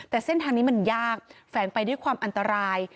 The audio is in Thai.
แต่เส้นทางนี้มันยากแฝนไปด้วยความอันตราย